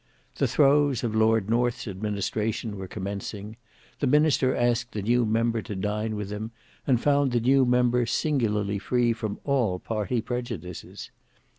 The throes of Lord North's administration were commencing. The minister asked the new member to dine with him, and found the new member singularly free from all party prejudices.